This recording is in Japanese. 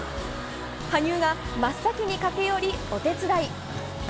羽生が真っ先に駆け寄りお手伝い。